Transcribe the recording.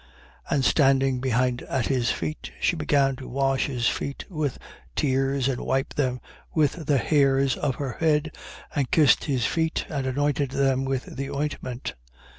7:38. And standing behind at his feet. she began to wash his feet with tears and wiped them with the hairs of her head and kissed his feet and anointed them with the ointment.